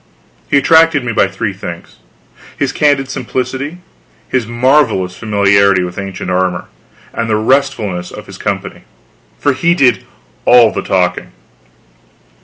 He attracted me by three things: his candid simplicity, his marvelous familiarity with ancient armor, and the restfulness of his company for he did all the talking.